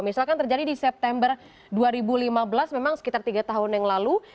misalkan terjadi di september dua ribu lima belas memang sekitar tiga tahun yang lalu